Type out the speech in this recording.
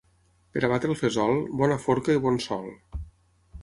Per a batre el fesol, bona forca i bon sol.